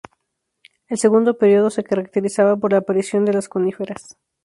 El segundo período se caracterizaba por la aparición de las coníferas.